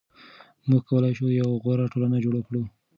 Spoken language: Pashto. موږ کولای شو یوه غوره ټولنه جوړه کړو.